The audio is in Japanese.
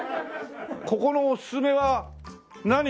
ここのおすすめは何になる？